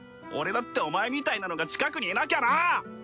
俺だってお前みたいなのが近くにいなきゃなぁ！